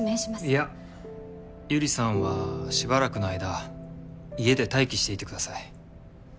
いや百合さんはしばらくの間家で待機していてください